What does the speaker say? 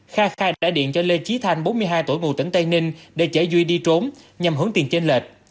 kha khai đã điện cho lê trí thanh bốn mươi hai tuổi ngụ tỉnh tây ninh để chở duy đi trốn nhằm hướng tiền trên lệch